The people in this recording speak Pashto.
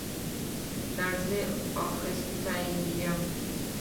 لـړزې واخيسـتم ،